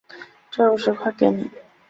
这五十块给你